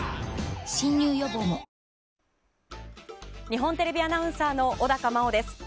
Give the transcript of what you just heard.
日本テレビアナウンサーの小高茉緒です。